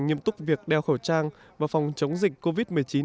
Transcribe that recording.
nghiêm túc việc đeo khẩu trang và phòng chống dịch covid một mươi chín